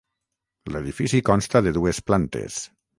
L'edifici consta de dues plantes.